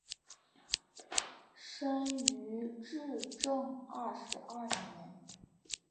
生于至正二十二年。